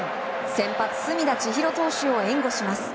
先発・隅田知一郎投手を援護します。